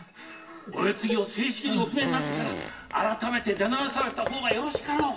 お世継ぎを正式にお決めになり改め出直した方がよろしかろう。